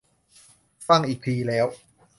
ฟังอีกทีแล้ว